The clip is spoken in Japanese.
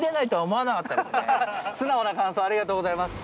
素直な感想ありがとうございます。